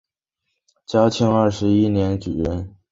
嘉庆二十一年举人。